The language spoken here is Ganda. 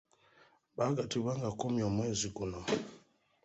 Baagattibwa nga kumi omwezi guno.